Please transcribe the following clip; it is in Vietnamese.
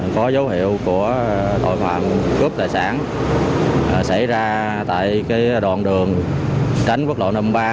có dấu hiệu của tội phạm cướp tài sản xảy ra tại đoạn đường tránh quốc lộ năm mươi ba